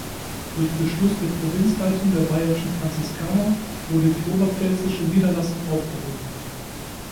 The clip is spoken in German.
Durch Beschluss der Provinzleitung der bayerischen Franziskaner wurde die oberpfälzische Niederlassung aufgehoben.